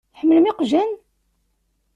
Tḥemmlem iqjan?